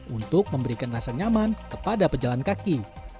untuk memberikan rasa nyaman kepada pejalan kaki